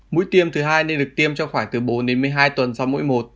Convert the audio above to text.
mũi tiêm thứ hai nên được tiêm trong khoảng từ bốn đến một mươi hai tuần sau mũi một